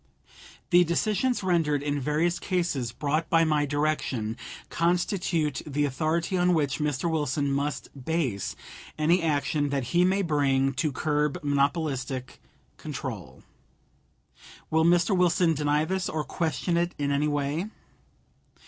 The decisions rendered in various cases brought by my direction constitute the authority on which Mr. Wilson must base any action that he may bring to curb monopolistic control. Will Mr. Wilson deny this, or question it in any way?